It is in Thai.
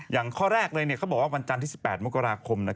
ข้อแรกเลยเขาบอกว่าวันจันทร์ที่๑๘มกราคม